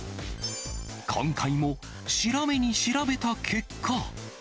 今回も、調べに調べた結果。